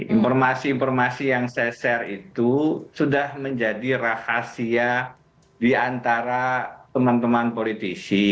informasi informasi yang saya share itu sudah menjadi rahasia di antara teman teman politisi